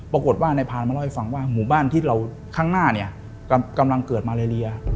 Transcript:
ปรากฏว่านายพานมาเล่าให้ฟังว่าหมู่บ้านที่เราข้างหน้าเนี่ยกำลังเกิดมาเลเลีย